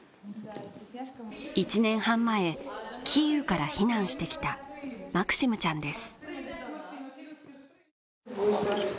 １年半前キーウから避難してきたマクシムちゃんです